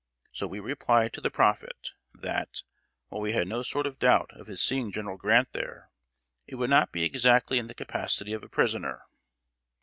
So we replied to the prophet, that, while we had no sort of doubt of his seeing General Grant there, it would not be exactly in the capacity of a prisoner!